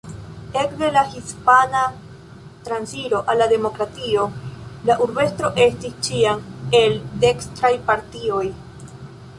Ekde la Hispana transiro al la demokratio la urbestro estis ĉiam el dekstraj partioj.